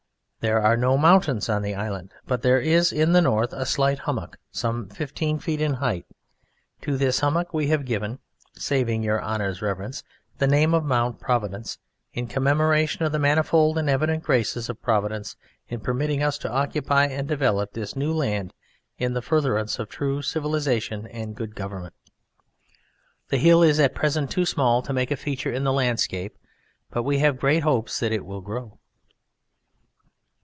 There are no mountains on the Island, but there is in the North a slight hummock some fifteen feet in height. To this hummock we have given (saving your Honour's Reverence) the name of "Mount Providence" in commemoration of the manifold and evident graces of Providence in permitting us to occupy and develop this new land in the furtherance of true civilization and good government. The hill is at present too small to make a feature in the landscape, but we have great hopes that it will grow.